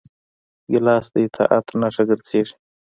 ګیلاس د اطاعت نښه ګرځېږي.